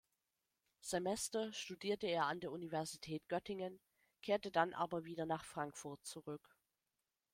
Semester studierte er an der Universität Göttingen, kehrte dann aber wieder nach Frankfurt zurück.